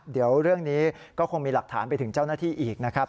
เดี๋ยวเรื่องนี้ก็คงมีหลักฐานไปถึงเจ้าหน้าที่อีกนะครับ